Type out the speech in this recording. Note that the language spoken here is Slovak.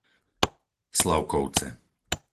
Slavkovce